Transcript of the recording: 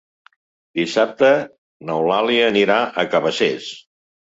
Dissabte n'Eulàlia anirà a Cabacés.